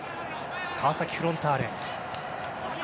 川崎フロンターレ。